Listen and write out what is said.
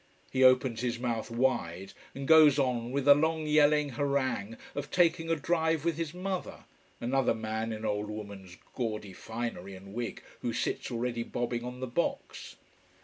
He opens his mouth wide and goes on with a long yelling harangue of taking a drive with his mother another man in old woman's gaudy finery and wig who sits already bobbing on the box.